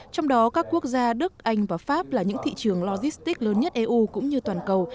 trong đó các quốc gia đức anh và pháp là những thị trường logistics lớn nhất eu cũng như toàn cầu